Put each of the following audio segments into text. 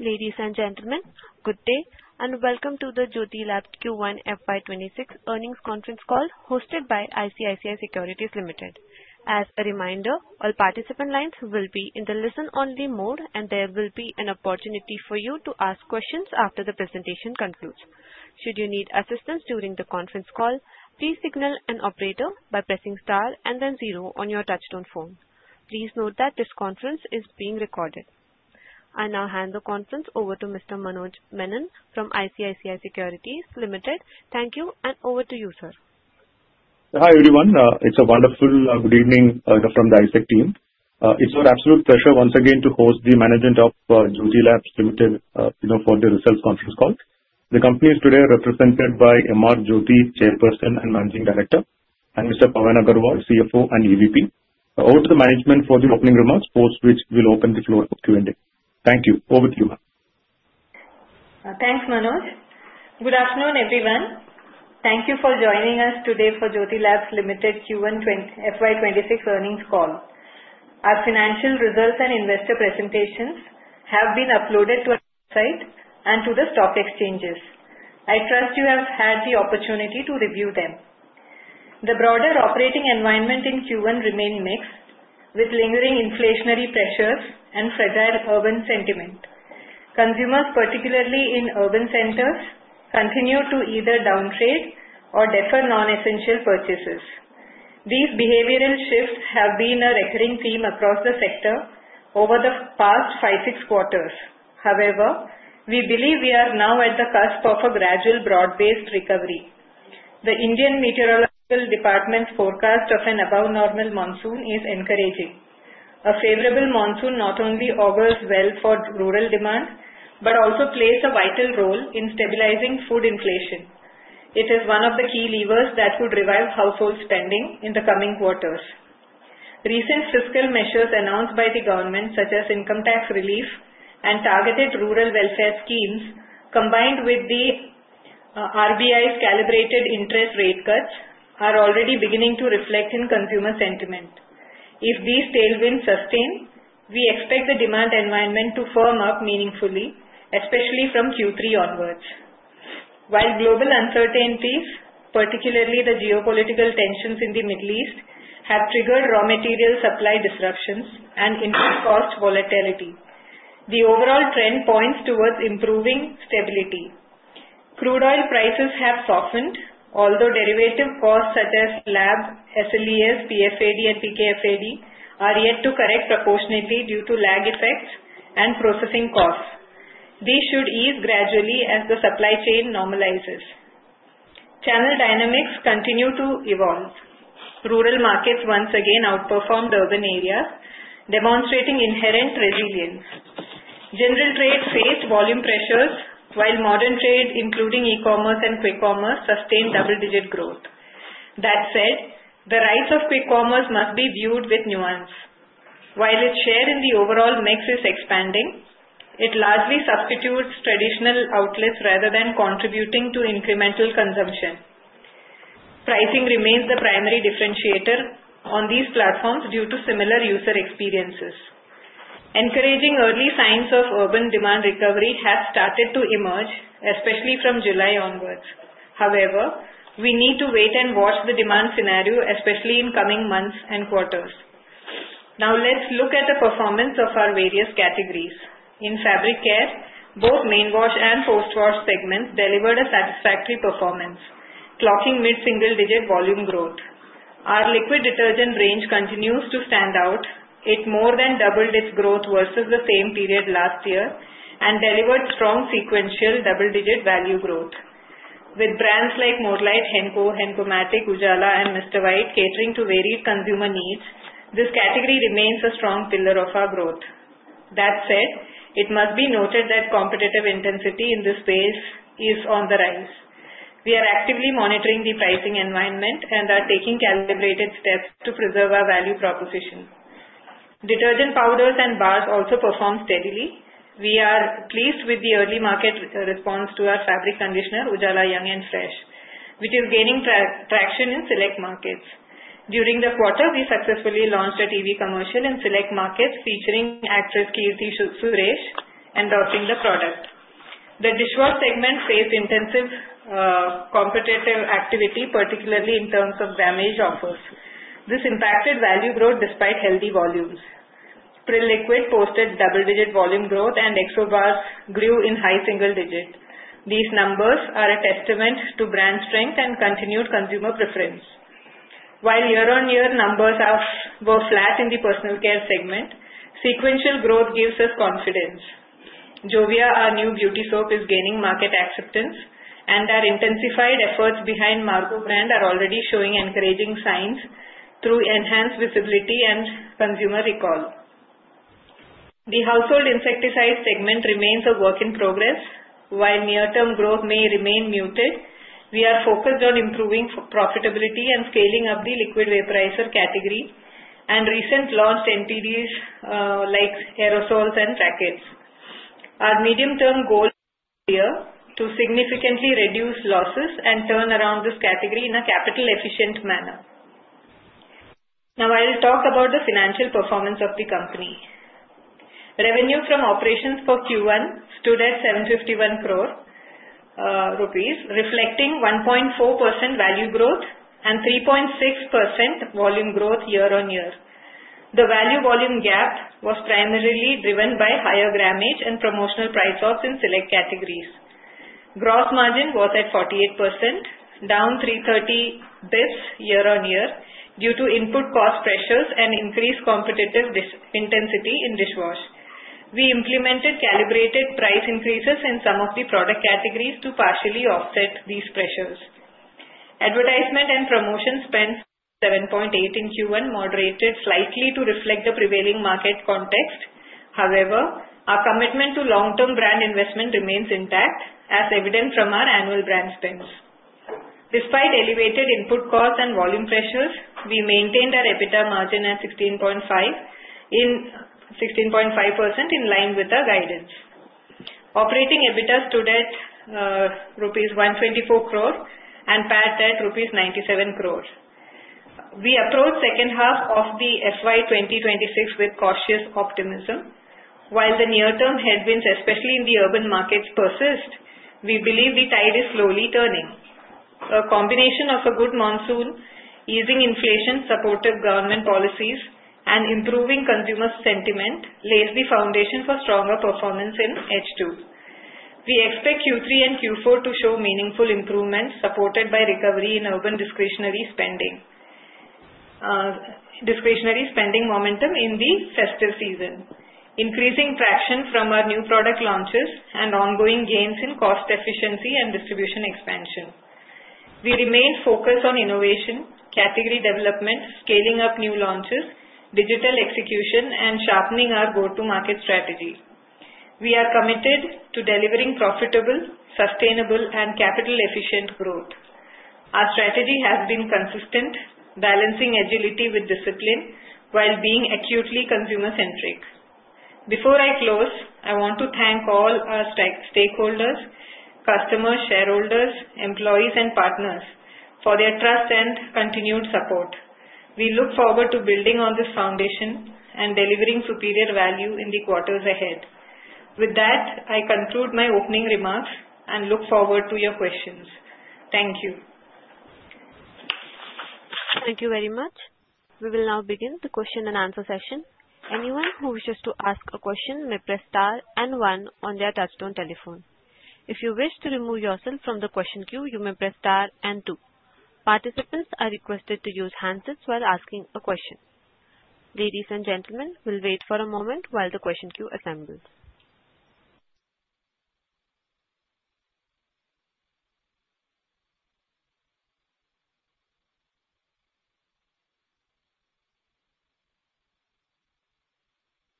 Ladies and gentlemen, good day and welcome to the Jyothy Labs Q1 FY 2026 earnings conference call hosted by ICICI Securities Limited. As a reminder, all participant lines will be in the listen-only mode, and there will be an opportunity for you to ask questions after the presentation concludes. Should you need assistance during the conference call, please signal an operator by pressing star and then zero on your touch-tone phone. Please note that this conference is being recorded. I now hand the conference over to Mr. Manoj Menon from ICICI Securities Limited. Thank you, and over to you, sir. Hi everyone. It's a wonderful good evening from the ISEC team. It's our absolute pleasure once again to host the management of Jyothy Labs Limited for the results conference call. The company is today represented by M.R. Jyothy, Chairperson and Managing Director, and Mr. Sanjay Agarwal, CFO and EVP. Over to the management for the opening remarks, post which we'll open the floor for Q&A. Thank you. Over to you, M.R. Thanks, Manoj. Good afternoon, everyone. Thank you for joining us today for Jyothy Labs Limited Q1 FY26 earnings call. Our financial results and investor presentations have been uploaded to our website and to the stock exchanges. I trust you have had the opportunity to review them. The broader operating environment in Q1 remained mixed, with lingering inflationary pressures and fragile urban sentiment. Consumers, particularly in urban centers, continue to either downtrade or defer non-essential purchases. These behavioral shifts have been a recurring theme across the sector over the past five, six quarters. However, we believe we are now at the cusp of a gradual broad-based recovery. The Indian Meteorological Department's forecast of an above-normal monsoon is encouraging. A favorable monsoon not only augurs well for rural demand but also plays a vital role in stabilizing food inflation. It is one of the key levers that could revive household spending in the coming quarters. Recent fiscal measures announced by the government, such as income tax relief and targeted rural welfare schemes, combined with the RBI's calibrated interest rate cuts, are already beginning to reflect in consumer sentiment. If these tailwinds sustain, we expect the demand environment to firm up meaningfully, especially from Q3 onwards. While global uncertainties, particularly the geopolitical tensions in the Middle East, have triggered raw material supply disruptions and increased cost volatility, the overall trend points towards improving stability. Crude oil prices have softened, although derivative costs such as LAB, SLES, PFAD, and PKFAD are yet to correct proportionately due to lag effects and processing costs. These should ease gradually as the supply chain normalizes. Channel dynamics continue to evolve. Rural markets once again outperformed urban areas, demonstrating inherent resilience. General trade faced volume pressures, while modern trade, including e-commerce and quick commerce, sustained double-digit growth. That said, the rise of quick commerce must be viewed with nuance. While its share in the overall mix is expanding, it largely substitutes traditional outlets rather than contributing to incremental consumption. Pricing remains the primary differentiator on these platforms due to similar user experiences. Encouraging early signs of urban demand recovery have started to emerge, especially from July onwards. However, we need to wait and watch the demand scenario, especially in coming months and quarters. Now, let's look at the performance of our various categories. In fabric care, both main wash and post-wash segments delivered a satisfactory performance, clocking mid-single-digit volume growth. Our liquid detergent range continues to stand out. It more than doubled its growth versus the same period last year and delivered strong sequential double-digit value growth. With brands like More Light, Henko, Henko Matic, Ujala, and Mr. White catering to varied consumer needs, this category remains a strong pillar of our growth. That said, it must be noted that competitive intensity in this space is on the rise. We are actively monitoring the pricing environment and are taking calibrated steps to preserve our value proposition. Detergent powders and bars also perform steadily. We are pleased with the early market response to our fabric conditioner, Ujala Young & Fresh, which is gaining traction in select markets. During the quarter, we successfully launched a TV commercial in select markets featuring actress Keerthy Suresh and launching the product. The dishwash segment faced intensive competitive activity, particularly in terms of damage offers. This impacted value growth despite healthy volumes. Pril liquid posted double-digit volume growth, and Exo bars grew in high single digits. These numbers are a testament to brand strength and continued consumer preference. While year-on-year numbers were flat in the personal care segment, sequential growth gives us confidence. Jovia, our new beauty soap, is gaining market acceptance, and our intensified efforts behind Margo brand are already showing encouraging signs through enhanced visibility and consumer recall. The household insecticide segment remains a work in progress. While near-term growth may remain muted, we are focused on improving profitability and scaling up the liquid vaporizer category and recently launched entities like aerosols and rackets. Our medium-term goal is to significantly reduce losses and turn around this category in a capital-efficient manner. Now, I'll talk about the financial performance of the company. Revenue from operations for Q1 stood at 751 crore rupees, reflecting 1.4% value growth and 3.6% volume growth year-on-year. The value-volume gap was primarily driven by higher grammage and promotional price-offs in select categories. Gross margin was at 48%, down 330 basis points year-on-year due to input cost pressures and increased competitive intensity in dishwash. We implemented calibrated price increases in some of the product categories to partially offset these pressures. Advertisement and promotion spend 7.8% in Q1 moderated slightly to reflect the prevailing market context. However, our commitment to long-term brand investment remains intact, as evident from our annual brand spends. Despite elevated input costs and volume pressures, we maintained our EBITDA margin at 16.5% in line with our guidance. Operating EBITDA stood at ₹ 124 crore and PAT at ₹ 97 crore. We approached the second half of the FY26 with cautious optimism. While the near-term headwinds, especially in the urban markets, persist, we believe the tide is slowly turning. A combination of a good monsoon, easing inflation, supportive government policies, and improving consumer sentiment lays the foundation for stronger performance in H2. We expect Q3 and Q4 to show meaningful improvements supported by recovery in urban discretionary spending momentum in the festive season, increasing traction from our new product launches and ongoing gains in cost efficiency and distribution expansion. We remain focused on innovation, category development, scaling up new launches, digital execution, and sharpening our go-to-market strategy. We are committed to delivering profitable, sustainable, and capital-efficient growth. Our strategy has been consistent, balancing agility with discipline while being acutely consumer-centric. Before I close, I want to thank all our stakeholders, customers, shareholders, employees, and partners for their trust and continued support. We look forward to building on this foundation and delivering superior value in the quarters ahead. With that, I conclude my opening remarks and look forward to your questions. Thank you. Thank you very much. We will now begin the question and answer session. Anyone who wishes to ask a question may press star and one on their touch-tone telephone. If you wish to remove yourself from the question queue, you may press star and two. Participants are requested to use handsets while asking a question. Ladies and gentlemen, we'll wait for a moment while the question queue assembles.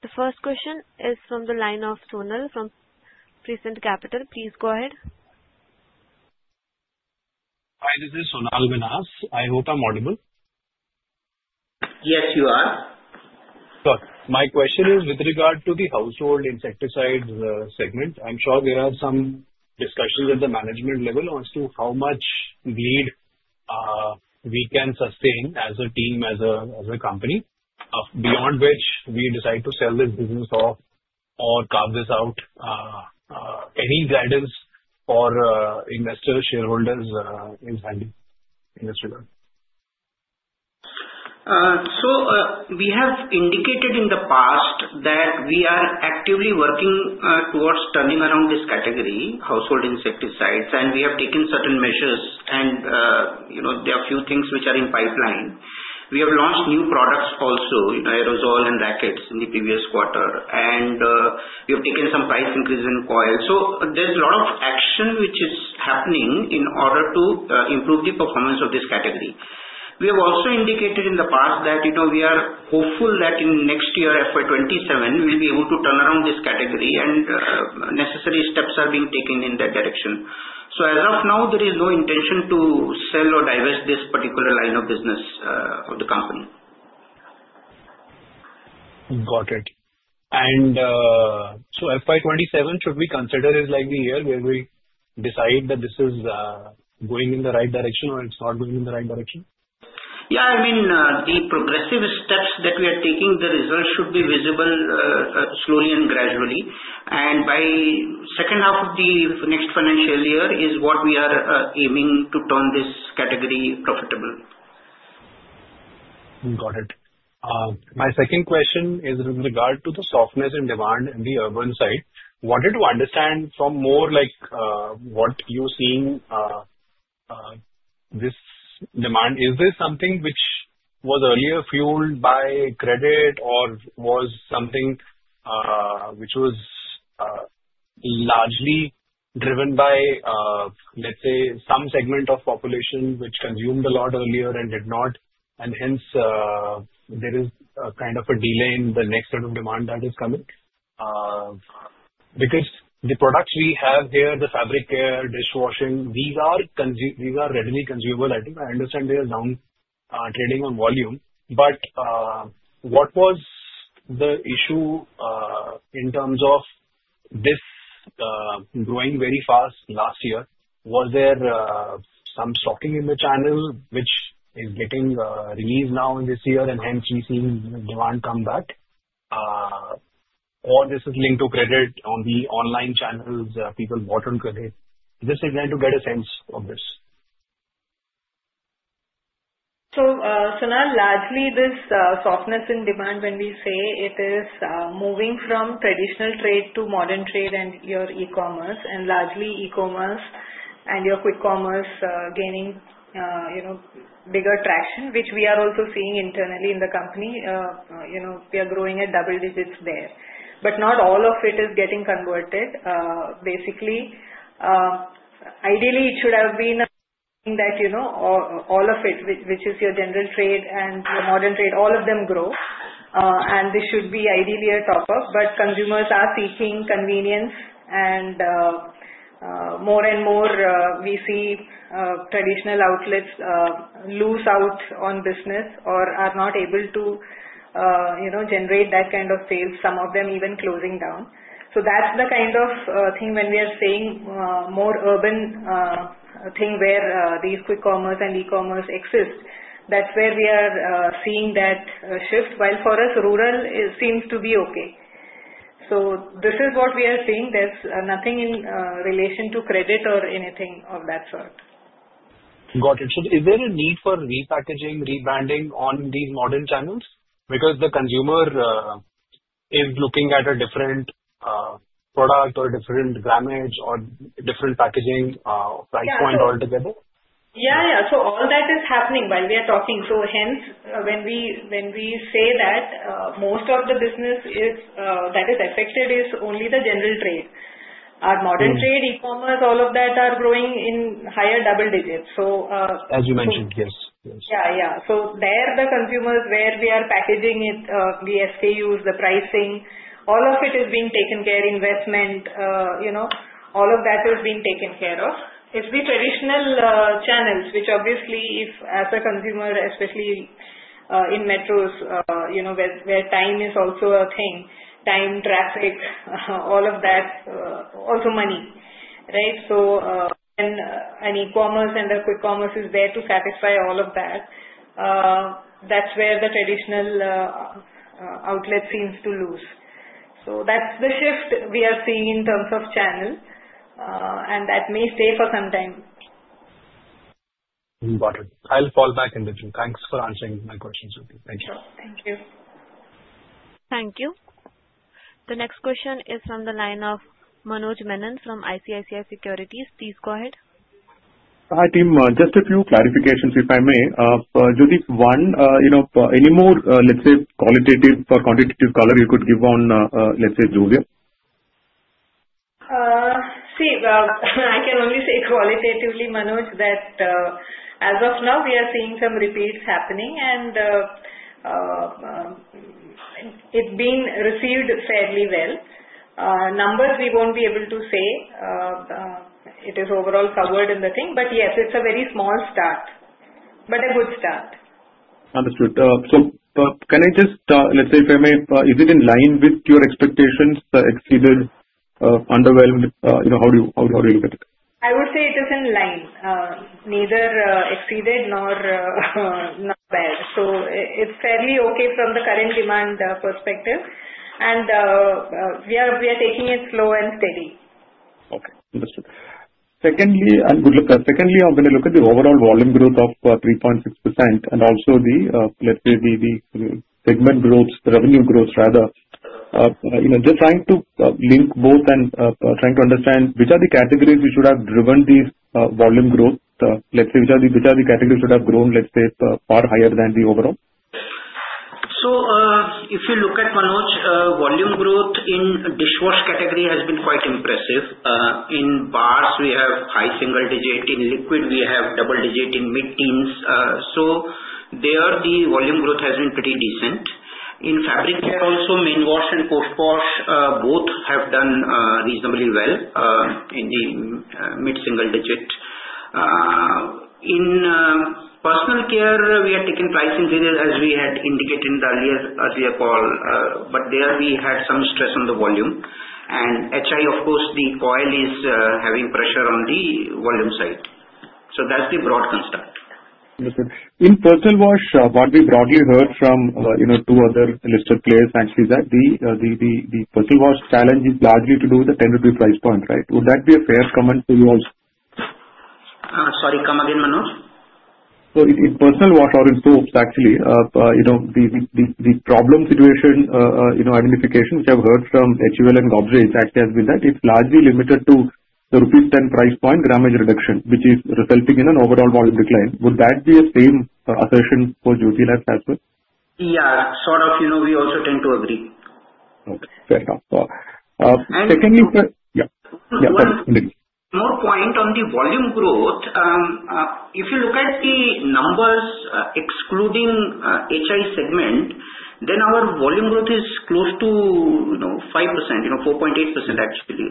The first question is from the line of Sonal from Prescient Capital. Please go ahead. Hi, this is Sonal Minhas. I hope I'm audible. Yes, you are. Sure. My question is with regard to the household insecticide segment. I'm sure there are some discussions at the management level as to how much bleed we can sustain as a team, as a company, beyond which we decide to sell this business off or carve this out. Any guidance for investors, shareholders is handy in this regard. So we have indicated in the past that we are actively working towards turning around this category, household insecticides, and we have taken certain measures, and there are a few things which are in pipeline. We have launched new products also, aerosol and rackets in the previous quarter, and we have taken some price increases in coil, so there's a lot of action which is happening in order to improve the performance of this category. We have also indicated in the past that we are hopeful that in next year, FY 2027, we'll be able to turn around this category, and necessary steps are being taken in that direction, so as of now, there is no intention to sell or divest this particular line of business of the company. Got it. And so FY 2027 should we consider is like the year where we decide that this is going in the right direction or it's not going in the right direction? Yeah, I mean, the progressive steps that we are taking, the results should be visible slowly and gradually, and by the second half of the next financial year is what we are aiming to turn this category profitable. Got it. My second question is with regard to the softness in demand in the urban side. Wanted to understand from more like what you're seeing this demand. Is this something which was earlier fueled by credit or was something which was largely driven by, let's say, some segment of population which consumed a lot earlier and did not, and hence, there is kind of a delay in the next set of demand that is coming because the products we have here, the fabric care, dishwashing, these are readily consumable. I understand they are downtrading on volume, but what was the issue in terms of this growing very fast last year? Was there some stocking in the channel which is getting relieved now in this year and hence we've seen demand come back, or this is linked to credit on the online channels people bought on credit? Just trying to get a sense of this. Sonal, largely this softness in demand, when we say it is moving from traditional trade to modern trade and your e-commerce, and largely e-commerce and your quick commerce gaining bigger traction, which we are also seeing internally in the company. We are growing at double digits there. But not all of it is getting converted. Basically, ideally, it should have been that all of it, which is your general trade and your modern trade, all of them grow. And this should be ideally a top-up. But consumers are seeking convenience, and more and more we see traditional outlets lose out on business or are not able to generate that kind of sales, some of them even closing down. That's the kind of thing when we are seeing more urban thing where these quick commerce and e-commerce exist. That's where we are seeing that shift. While for us, rural seems to be okay. So this is what we are seeing. There's nothing in relation to credit or anything of that sort. Got it. So is there a need for repackaging, rebranding on these modern channels? Because the consumer is looking at a different product or different gramage or different packaging price point altogether. Yeah, yeah. So all that is happening while we are talking. So hence, when we say that most of the business that is affected is only the general trade. Our modern trade, e-commerce, all of that are growing in higher double digits. So. As you mentioned, yes. Yeah, yeah. So there are the consumers where we are packaging it, the SKUs, the pricing, all of it is being taken care of, investment, all of that is being taken care of. It's the traditional channels, which obviously, as a consumer, especially in metros where time is also a thing, time, traffic, all of that, also money, right? So an e-commerce and a quick commerce is there to satisfy all of that. That's where the traditional outlet seems to lose. So that's the shift we are seeing in terms of channel, and that may stay for some time. Got it. I'll fall back into it. Thanks for answering my questions, Jyothy. Thank you. Thank you. Thank you. The next question is from the line of Manoj Menon from ICICI Securities. Please go ahead. Hi, team. Just a few clarifications, if I may. Jyothy, one, any more, let's say, qualitative or quantitative color you could give on, let's say, Jovia? See, well, I can only say qualitatively, Manoj, that as of now, we are seeing some repeats happening, and it's being received fairly well. Numbers, we won't be able to say. It is overall covered in the thing. But yes, it's a very small start, but a good start. Understood. So can I just, let's say, if I may, is it in line with your expectations, exceeded, underwhelmed? How do you look at it? I would say it is in line. Neither exceeded nor bad, so it's fairly okay from the current demand perspective, and we are taking it slow and steady. Okay. Understood. Secondly, I'm good. Secondly, when I look at the overall volume growth of 3.6% and also the, let's say, the segment growth, revenue growth, rather, just trying to link both and trying to understand which are the categories which should have driven the volume growth? Let's say, which are the categories which should have grown, let's say, far higher than the overall? So if you look at, Manoj, volume growth in dishwash category has been quite impressive. In bars, we have high single digit. In liquid, we have double digit. In mid teens, so there, the volume growth has been pretty decent. In fabric care, also, main wash and post-wash, both have done reasonably well in the mid single digit. In personal care, we have taken pricing as we had indicated earlier, as we have called, but there we had some stress on the volume. And hygiene, of course, the coil is having pressure on the volume side. So that's the broad construct. Understood. In personal wash, what we broadly heard from two other listed players actually is that the personal wash challenge is largely to do with the tenure-to-price point, right? Would that be a fair comment to you also? Sorry, come again, Manoj? So in personal wash or in soaps, actually, the problem situation identification which I've heard from HUL and Godrej actually has been that it's largely limited to the rupees 10 price point gramage reduction, which is resulting in an overall volume decline. Would that be the same assertion for Jyothy Labs as well? Yeah, sort of. We also tend to agree. Okay. Fair enough. Secondly. And. Yeah. Yeah, sorry. Continue. More point on the volume growth. If you look at the numbers excluding HI segment, then our volume growth is close to 5%, 4.8% actually.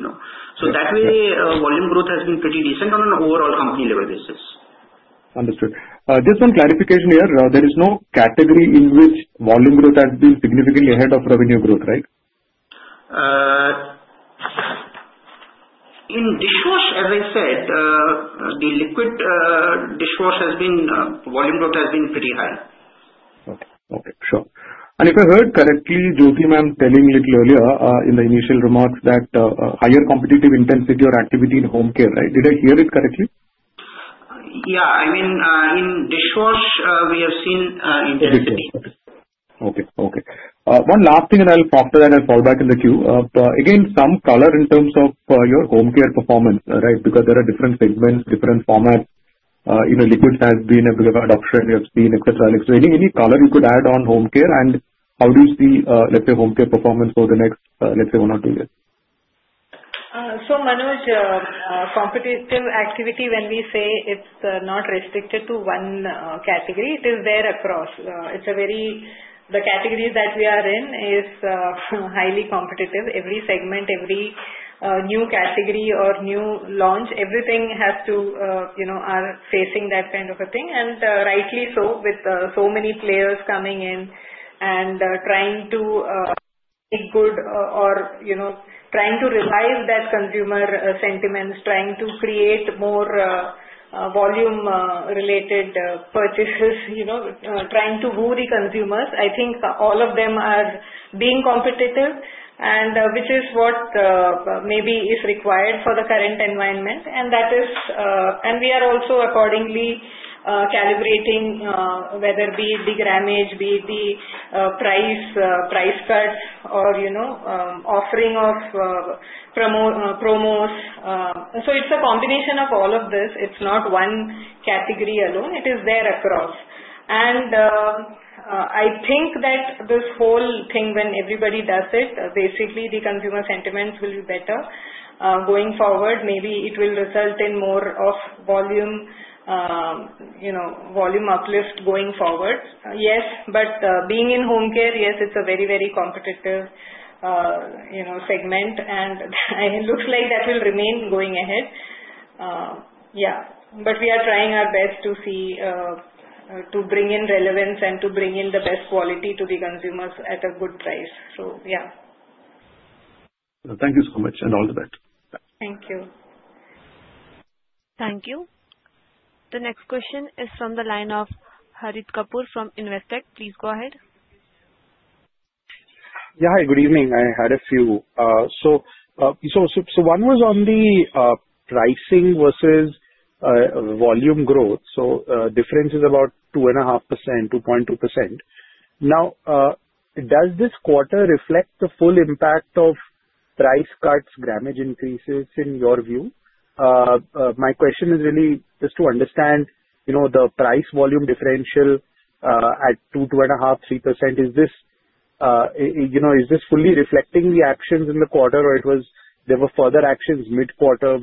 So that way, volume growth has been pretty decent on an overall company-level basis. Understood. Just one clarification here. There is no category in which volume growth has been significantly ahead of revenue growth, right? In dishwash, as I said, the liquid dishwash volume growth has been pretty high. Okay. Okay. Sure. And if I heard correctly, Jyothy Ma'am telling a little earlier in the initial remarks that higher competitive intensity or activity in home care, right? Did I hear it correctly? Yeah. I mean, in dishwash, we have seen intensity. One last thing, and I'll talk to that. I'll fall back in the queue. Again, some color in terms of your home care performance, right? Because there are different segments, different formats. Liquids has been a bit of adoption you have seen, etc. Any color you could add on home care? And how do you see, let's say, home care performance for the next, let's say, one or two years? So, Manoj, on competitive activity, when we say it's not restricted to one category, it is there across. The categories that we are in are highly competitive. Every segment, every new category or new launch, everything is facing that kind of a thing. And rightly so, with so many players coming in and trying to make good or trying to revive that consumer sentiment, trying to create more volume-related purchases, trying to woo the consumers. I think all of them are being competitive, which is what maybe is required for the current environment. And we are also accordingly calibrating, whether it be the gramage, be the price cut, or offering of promos. So it's a combination of all of this. It's not one category alone. It is there across. And I think that this whole thing, when everybody does it, basically, the consumer sentiment will be better. Going forward, maybe it will result in more of volume uplift going forward. Yes, but being in home care, yes, it's a very, very competitive segment. And it looks like that will remain going ahead. Yeah. But we are trying our best to bring in relevance and to bring in the best quality to the consumers at a good price. So yeah. Thank you so much and all the best. Thank you. Thank you. The next question is from the line of Harit Kapoor from Investec. Please go ahead. Yeah. Hi, good evening. I had a few. So one was on the pricing versus volume growth. So difference is about 2.5%, 2.2%. Now, does this quarter reflect the full impact of price cuts, gramage increases in your view? My question is really just to understand the price volume differential at 2%, 2.5%, 3%. Is this fully reflecting the actions in the quarter, or there were further actions mid-quarter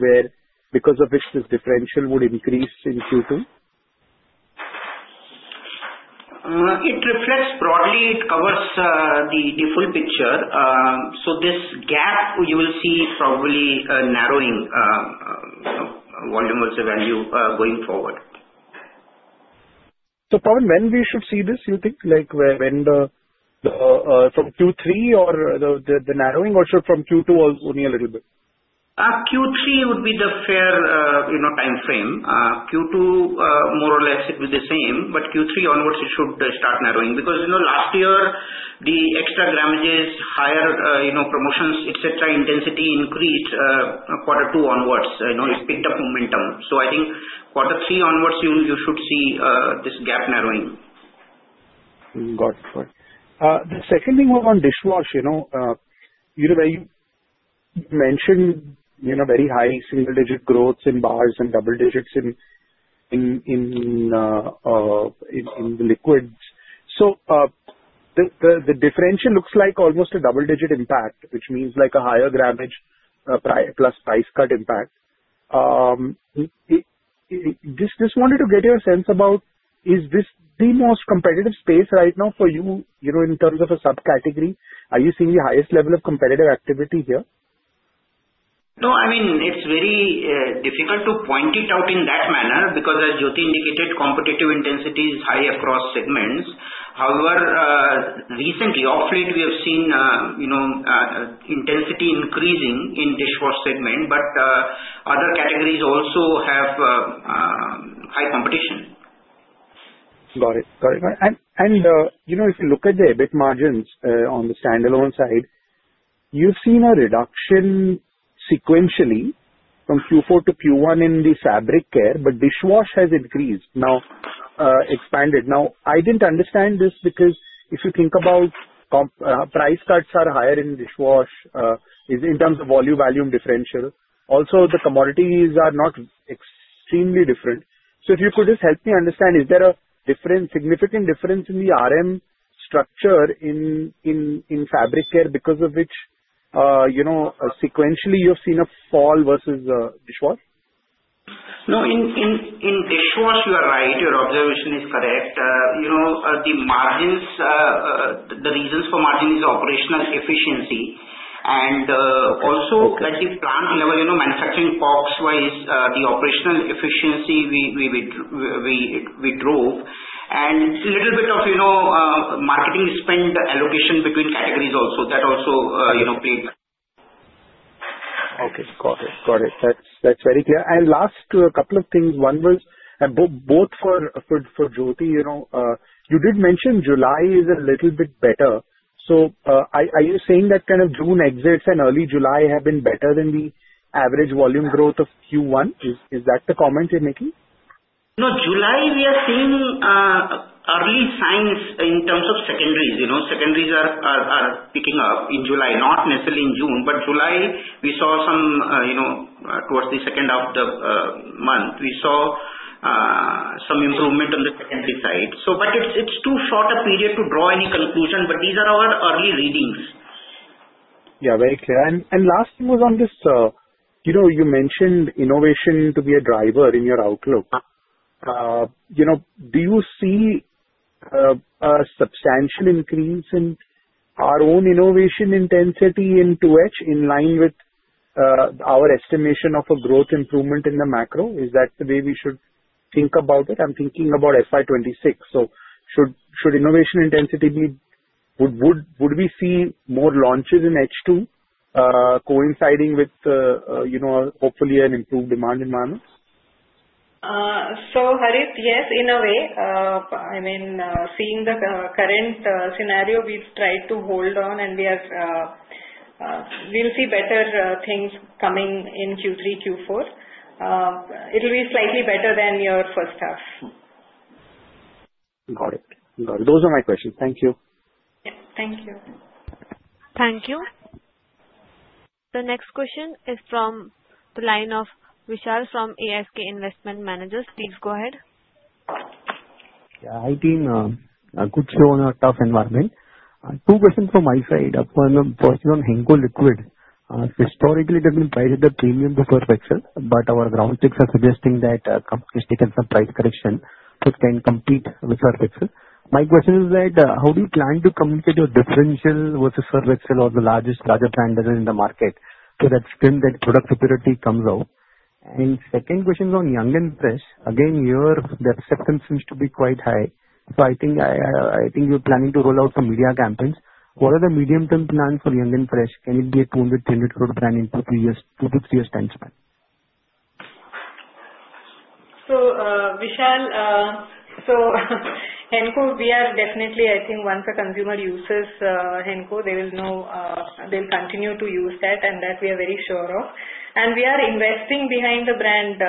because of which this differential would increase in Q2? It reflects broadly. It covers the full picture. So this gap, you will see probably narrowing volume versus value going forward. So, when should we see this, you think? Like, when from Q3 or the narrowing, or should from Q2 only a little bit? Q3 would be the fair time frame. Q2, more or less, it will be the same. But Q3 onwards, it should start narrowing. Because last year, the extra gramages, higher promotions, etc., intensity increased quarter two onwards. It picked up momentum. So I think quarter three onwards, you should see this gap narrowing. Got it. Got it. The second thing was on dishwash. You mentioned very high single-digit growth in bars and double digits in the liquids. So the differential looks like almost a double-digit impact, which means a higher gramage plus price cut impact. Just wanted to get your sense about, is this the most competitive space right now for you in terms of a subcategory? Are you seeing the highest level of competitive activity here? No. I mean, it's very difficult to point it out in that manner because, as Jyothy indicated, competitive intensity is high across segments. However, recently, of late, we have seen intensity increasing in dishwash segment, but other categories also have high competition. Got it. Got it. And if you look at the EBIT margins on the standalone side, you've seen a reduction sequentially from Q4 to Q1 in the fabric care, but dishwash has increased, now expanded. Now, I didn't understand this because if you think about price cuts are higher in dishwash in terms of volume differential. Also, the commodities are not extremely different. So if you could just help me understand, is there a significant difference in the RM structure in fabric care because of which sequentially you've seen a fall versus dishwash? No. In dishwash, you are right. Your observation is correct. The reasons for margin is operational efficiency and also, like the plant level, manufacturing box-wise, the operational efficiency we withdrew and a little bit of marketing spend allocation between categories also. That also played back. Okay. Got it. Got it. That's very clear. And last couple of things. One was, both for Jyothy, you did mention July is a little bit better. So are you saying that kind of June exits and early July have been better than the average volume growth of Q1? Is that the comment you're making? No, July, we are seeing early signs in terms of secondaries. Secondaries are picking up in July, not necessarily in June. But July, we saw some towards the second half of the month, we saw some improvement on the secondary side. But it's too short a period to draw any conclusion, but these are our early readings. Yeah. Very clear. And last thing was on this. You mentioned innovation to be a driver in your outlook. Do you see a substantial increase in our own innovation intensity in 2H in line with our estimation of a growth improvement in the macro? Is that the way we should think about it? I'm thinking about FY26. So should innovation intensity be would we see more launches in H2 coinciding with hopefully an improved demand in monsoon? So Harith, yes, in a way. I mean, seeing the current scenario, we've tried to hold on, and we'll see better things coming in Q3, Q4. It'll be slightly better than your first half. Got it. Got it. Those are my questions. Thank you. Yeah. Thank you. Thank you. The next question is from the line of Vishal Gutka from ASK Investment Managers. Please go ahead. Yeah. It's been a good show in a tough environment. Two questions from my side. I have a question on Henko Liquid. Historically, it has been priced at a premium to Surf Excel, but our ground checks are suggesting that the company is taking some price correction to compete with Surf Excel. My question is that how do you plan to communicate your differential versus Surf Excel or the largest brand in the market so that product superiority comes out? And second question is on Young & Fresh. Again, here, the acceptance seems to be quite high. So I think you're planning to roll out some media campaigns. What are the medium-term plans for Young & Fresh? Can it be a 200-300 crore brand in a one to two year time span? Vishal, Henko, we are definitely, I think, once a consumer uses Henko, they will continue to use that, and that we are very sure of. We are investing behind the brand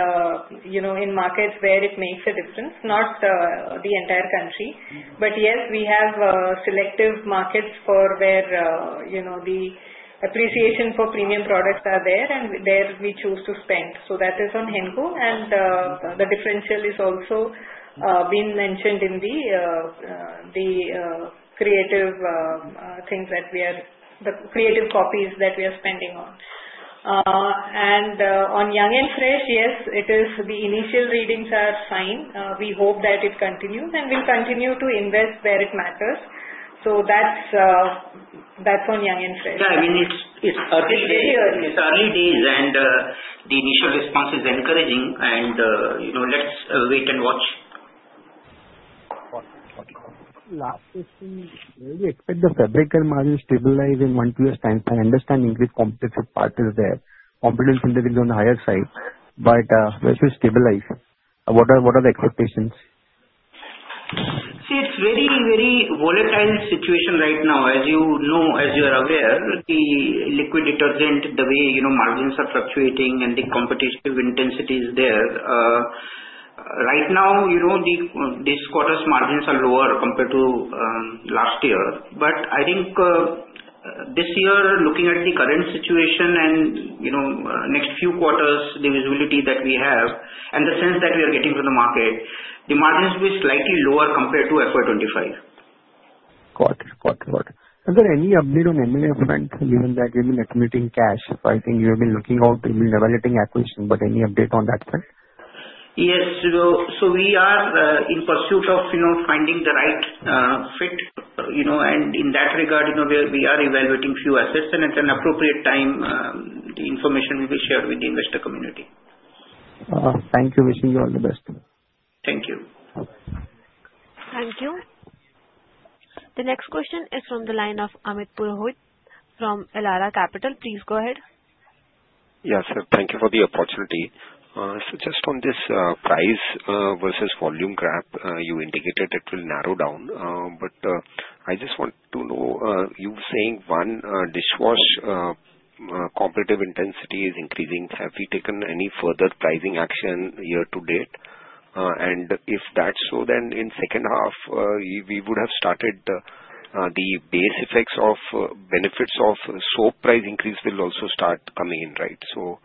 in markets where it makes a difference, not the entire country. But yes, we have selective markets where the appreciation for premium products are there, and there we choose to spend. That is on Henko. The differential is also being mentioned in the creative things that we are the creative copies that we are spending on. On Young & Fresh, yes, the initial readings are fine. We hope that it continues, and we'll continue to invest where it matters. That's on Young & Fresh. Yeah. I mean, it's early days. It's early days, and the initial response is encouraging. And let's wait and watch. Okay. Okay. Last question. We expect the fabric and margin stabilize in one to two year time span. I understand increased competitive factors there. Competitive in the higher side. But where to stabilize? What are the expectations? See, it's a very, very volatile situation right now. As you know, as you are aware, the liquid detergent, the way margins are fluctuating and the competitive intensity is there. Right now, these quarters' margins are lower compared to last year. But I think this year, looking at the current situation and next few quarters, the visibility that we have and the sense that we are getting from the market, the margins will be slightly lower compared to FY 2025. Got it. Is there any update on M&A front, given that you've been accumulating cash? So I think you have been looking out, you've been evaluating acquisition. But any update on that front? Yes. So we are in pursuit of finding the right fit. And in that regard, we are evaluating a few assets. And at an appropriate time, the information will be shared with the investor community. Thank you. Wishing you all the best. Thank you. Thank you. The next question is from the line of Amit Purohit from Elara Capital. Please go ahead. Yes, sir. Thank you for the opportunity. So just on this price versus volume gap, you indicated it will narrow down. But I just want to know, you were saying on dishwash competitive intensity is increasing. Have we taken any further pricing action year to date? And if that's so, then in second half, we would have started the base effects of benefits of soap price increase will also start coming in, right? So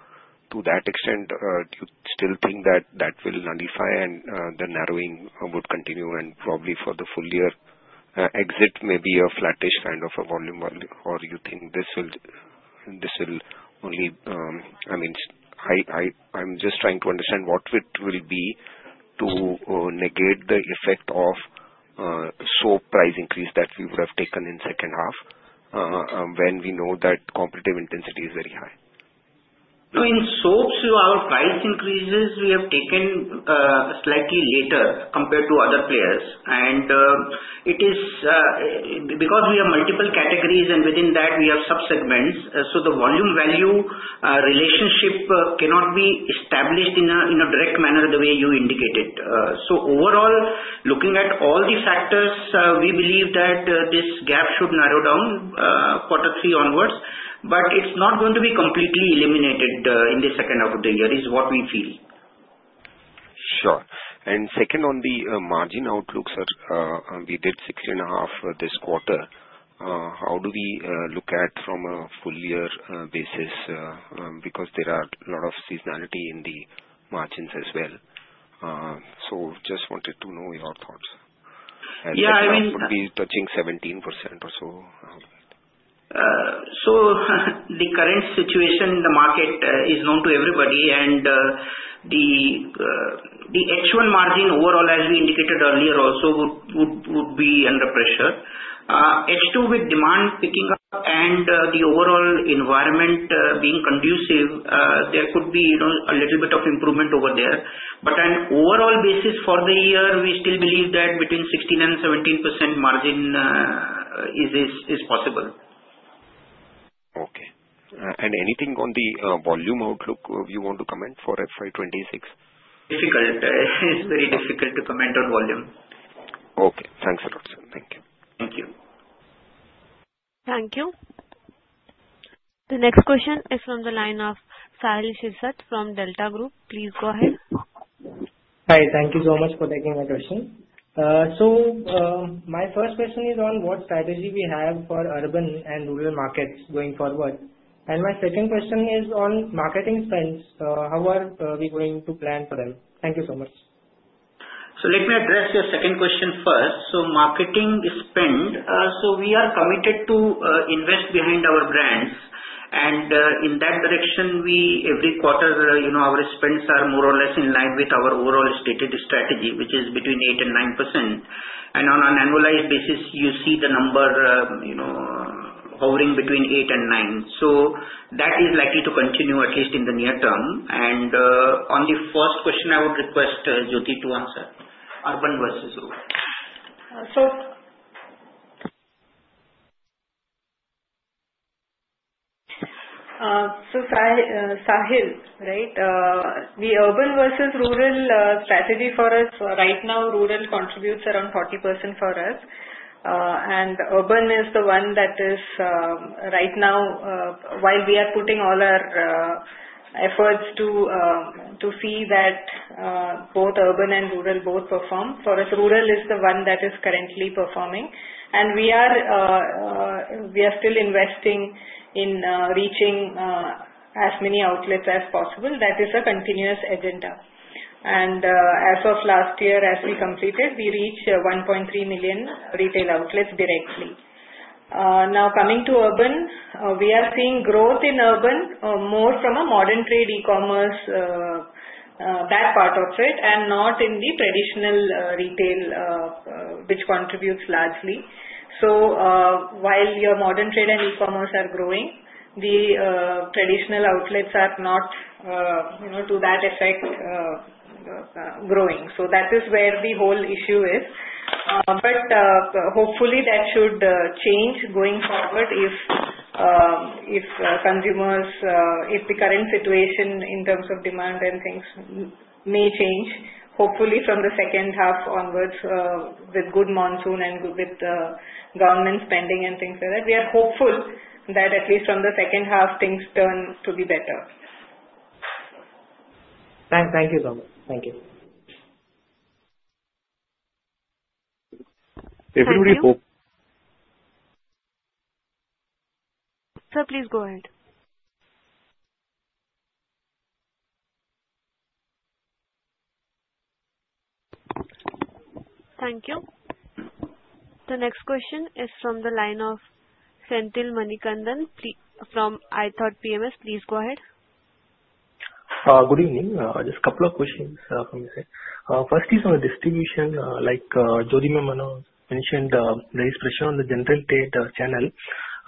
to that extent, do you still think that that will nullify and the narrowing would continue and probably for the full year exit may be a flattish kind of a volume? Or you think this will only, I mean, I'm just trying to understand what it will be to negate the effect of soap price increase that we would have taken in second half when we know that competitive intensity is very high? So in soaps, our price increases, we have taken slightly later compared to other players. And because we have multiple categories and within that, we have subsegments, so the volume-value relationship cannot be established in a direct manner the way you indicated. So overall, looking at all the factors, we believe that this gap should narrow down quarter three onwards. But it's not going to be completely eliminated in the second half of the year, is what we feel. Sure. And second on the margin outlook, sir, we did 6.5% this quarter. How do we look at from a full-year basis? Because there are a lot of seasonality in the margins as well. So just wanted to know your thoughts. Yeah. I mean. Would we be touching 17% or so? The current situation in the market is known to everybody. The H1 margin overall, as we indicated earlier, also would be under pressure. H2 with demand picking up and the overall environment being conducive, there could be a little bit of improvement over there. On an overall basis for the year, we still believe that between 16% and 17% margin is possible. Okay, and anything on the volume outlook you want to comment for FY 2026? Difficult. It's very difficult to comment on volume. Okay. Thanks a lot, sir. Thank you. Thank you. Thank you. The next question is from the line of Saheel Shirsat from Delta Group. Please go ahead. Hi. Thank you so much for taking my question, so my first question is on what strategy we have for urban and rural markets going forward, and my second question is on marketing spends. How are we going to plan for them? Thank you so much. So let me address your second question first. So marketing spend, so we are committed to invest behind our brands. And in that direction, every quarter, our spends are more or less in line with our overall stated strategy, which is between 8%-9%. And on an annualized basis, you see the number hovering between 8%-9%. So that is likely to continue at least in the near term. And on the first question, I would request M.R. Jyothy to answer. Urban versus rural. So, Sahil, right? The urban versus rural strategy for us right now, rural contributes around 40% for us. And urban is the one that is right now, while we are putting all our efforts to see that both urban and rural both perform. For us, rural is the one that is currently performing. And we are still investing in reaching as many outlets as possible. That is a continuous agenda. And as of last year, as we completed, we reached 1.3 million retail outlets directly. Now, coming to urban, we are seeing growth in urban more from a modern trade, e-commerce, that part of it, and not in the traditional retail, which contributes largely. So while your modern trade and e-commerce are growing, the traditional outlets are not to that effect growing. So that is where the whole issue is. But hopefully, that should change going forward if the current situation in terms of demand and things may change. Hopefully, from the second half onwards, with good monsoon and with government spending and things like that, we are hopeful that at least from the second half, things turn to be better. Thank you so much. Thank you. Everybody hope. Sir, please go ahead. Thank you. The next question is from the line of Senthil Manikandan from iThought PMS. Please go ahead. Good evening. Just a couple of questions from my side. First is on the distribution, like Jyothy management mentioned there is pressure on the general trade channel.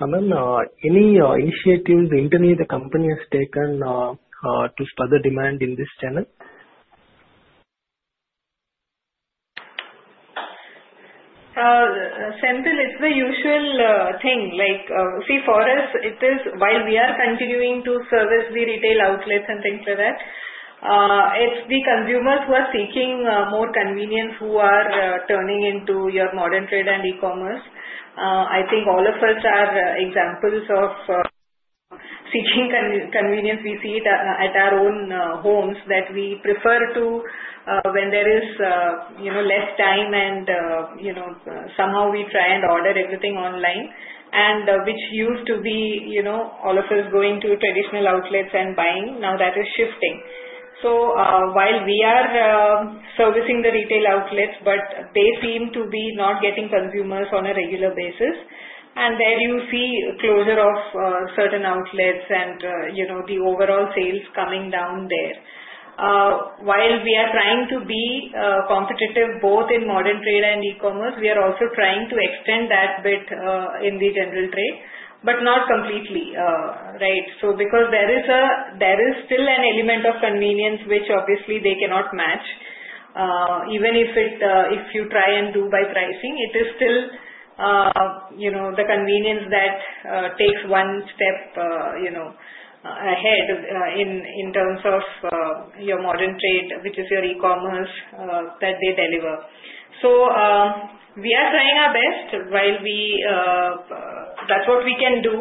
Ma'am, any initiative the management has taken to spur the demand in this channel? Senthil, it's the usual thing. See, for us, while we are continuing to service the retail outlets and things like that, it's the consumers who are seeking more convenience who are turning into your modern trade and e-commerce. I think all of us are examples of seeking convenience. We see it at our own homes that we prefer to when there is less time and somehow we try and order everything online, which used to be all of us going to traditional outlets and buying. Now that is shifting. So while we are servicing the retail outlets, but they seem to be not getting consumers on a regular basis, and there you see closure of certain outlets and the overall sales coming down there. While we are trying to be competitive both in modern trade and e-commerce, we are also trying to extend that bit in the general trade, but not completely, right, so because there is still an element of convenience, which obviously they cannot match. Even if you try and do by pricing, it is still the convenience that takes one step ahead in terms of your modern trade, which is your e-commerce that they deliver, so we are trying our best while that's what we can do,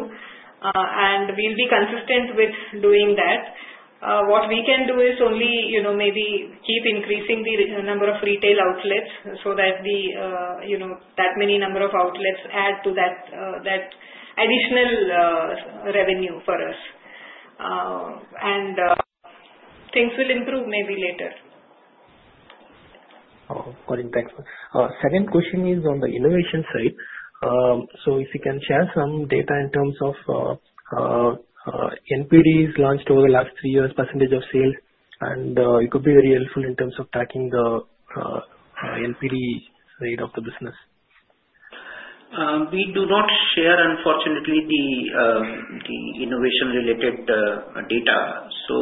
and we'll be consistent with doing that. What we can do is only maybe keep increasing the number of retail outlets so that that many number of outlets add to that additional revenue for us, and things will improve maybe later. Got it. Thanks. Second question is on the innovation side. So if you can share some data in terms of NPDs launched over the last three years, percentage of sales, and it could be very helpful in terms of tracking the NPD rate of the business. We do not share, unfortunately, the innovation-related data. So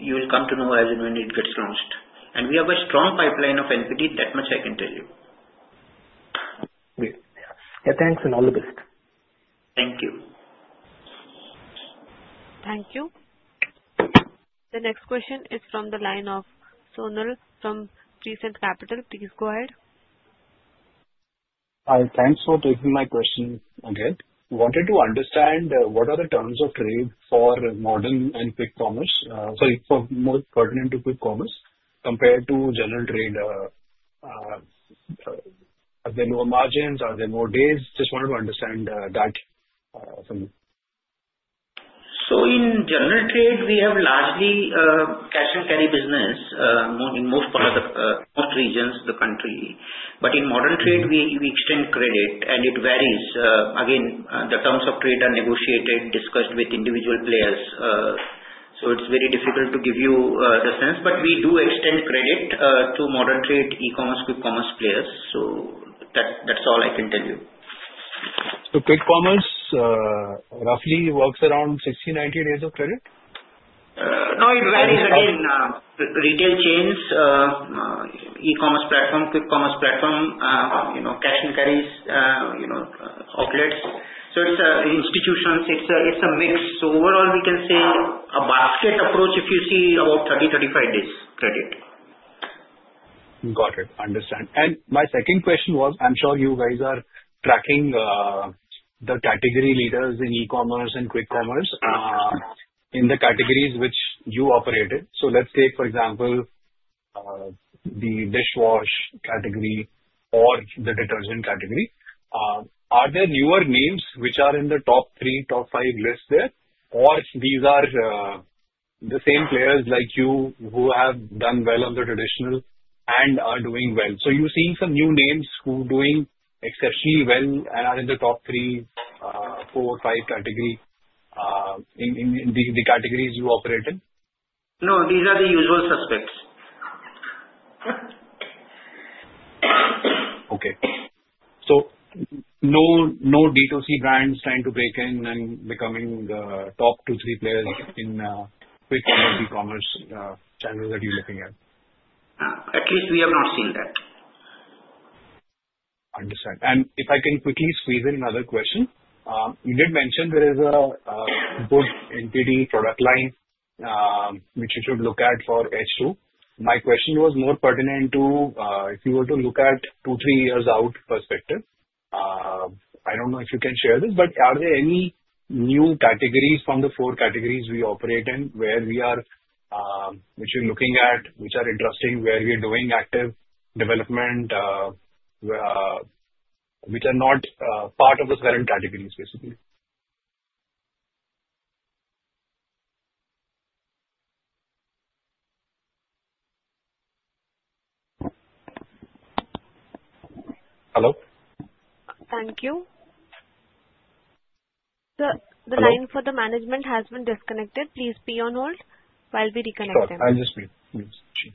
you will come to know as and when it gets launched. And we have a strong pipeline of NPD, that much I can tell you. Great. Yeah. Thanks and all the best. Thank you. Thank you. The next question is from the line of Sonal from Prescient Capital. Please go ahead. Thanks for taking my question again. Wanted to understand what are the terms of trade for modern and quick commerce, sorry, for more pertinent to quick commerce compared to general trade? Are there lower margins? Are there more days? Just wanted to understand that from you. So in general trade, we have largely cash and carry business in most regions, the country. But in modern trade, we extend credit. And it varies. Again, the terms of trade are negotiated, discussed with individual players. So it's very difficult to give you the sense. But we do extend credit to modern trade, e-commerce, quick commerce players. So that's all I can tell you. So quick commerce roughly works around 60-90 days of credit? No, it varies. Again, retail chains, e-commerce platform, quick commerce platform, cash and carry outlets. So it's institutions. It's a mix. So overall, we can say a basket approach, if you see, about 30-35 days credit. Got it. Understand. And my second question was, I'm sure you guys are tracking the category leaders in e-commerce and quick commerce in the categories which you operated. So let's take, for example, the dishwash category or the detergent category. Are there newer names which are in the top three, top five lists there? Or these are the same players like you who have done well on the traditional and are doing well? So you're seeing some new names who are doing exceptionally well and are in the top three, four, five category in the categories you operate in? No, these are the usual suspects. Okay. So no D2C brands trying to break in and becoming the top two, three players in quick commerce channels that you're looking at? At least we have not seen that. Understood. And if I can quickly squeeze in another question, you did mention there is a good NPD product line which you should look at for H2. My question was more pertinent to if you were to look at two, three years out perspective. I don't know if you can share this, but are there any new categories from the four categories we operate in where we are which you're looking at, which are interesting, where we are doing active development, which are not part of the current categories, basically? Hello? Thank you. The line for the management has been disconnected. Please be on hold while we reconnect them. I'll just be on hold.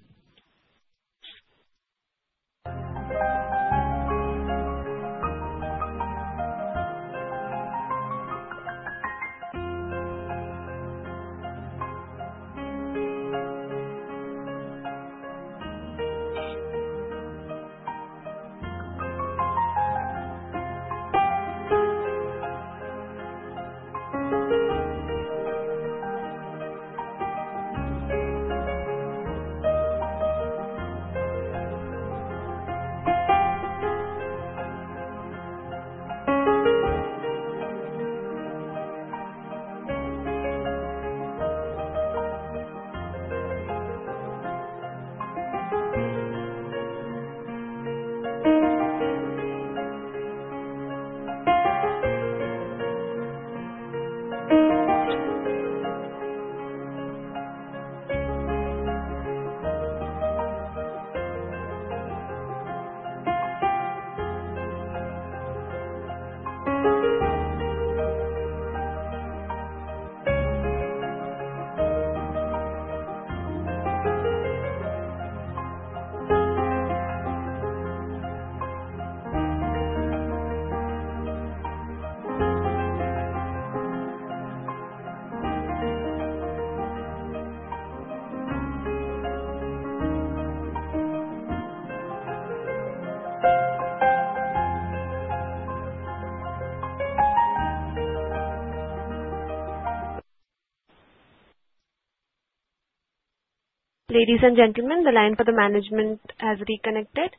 Ladies and gentlemen, the line for the management has reconnected.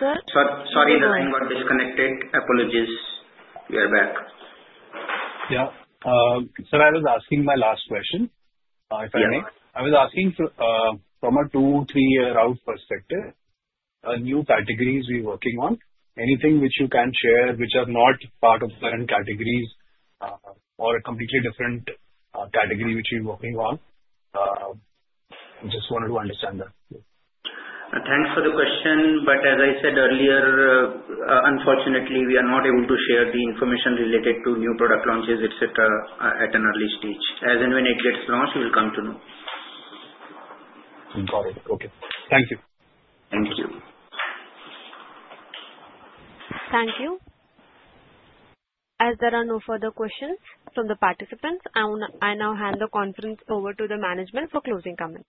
Sir? Sorry, the line got disconnected. Apologies. We are back. Yeah. So I was asking my last question, if I may. I was asking from a two, three-year-out perspective, new categories we're working on, anything which you can share which are not part of current categories or a completely different category which we're working on? Just wanted to understand that. Thanks for the question. But as I said earlier, unfortunately, we are not able to share the information related to new product launches, etc., at an early stage. As and when it gets launched, we'll come to know. Got it. Okay. Thank you. Thank you. Thank you. As there are no further questions from the participants, I now hand the conference over to the management for closing comments.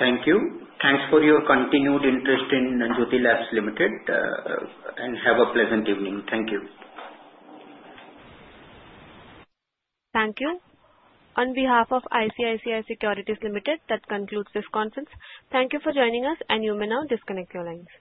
Thank you. Thanks for your continued interest in Jyothy Labs Limited and have a pleasant evening. Thank you. Thank you. On behalf of ICICI Securities Limited, that concludes this conference. Thank you for joining us, and you may now disconnect your lines.